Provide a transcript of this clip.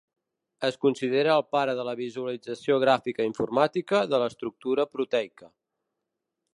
Es considera el pare de la visualització gràfica informàtica de l'estructura proteica.